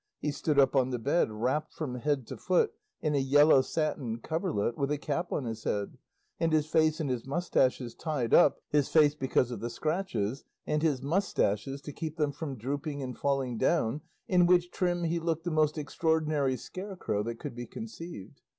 He stood up on the bed wrapped from head to foot in a yellow satin coverlet, with a cap on his head, and his face and his moustaches tied up, his face because of the scratches, and his moustaches to keep them from drooping and falling down, in which trim he looked the most extraordinary scarecrow that could be conceived.